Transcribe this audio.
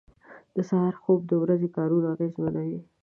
• د سهار خوب د ورځې کارونه اغېزمنوي.